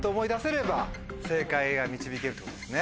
正解が導けるってことですね。